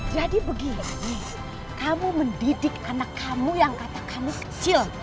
jadi begini kamu mendidik anak kamu yang kata kamu kecil